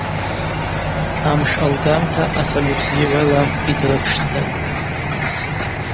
Амш алгамта асалют зигӏвала йдрыпшдзатӏ.